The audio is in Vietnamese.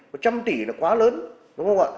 một trăm tỷ nó quá lớn đúng không ạ